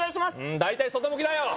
大体外向きだよ